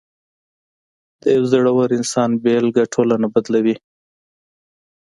د یو زړور انسان بېلګه ټولنه بدلوي.